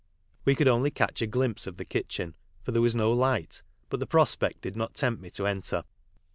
We could only catch a glimpse of the kitchen, for there was no light, but the prospect did not tempt me to enter.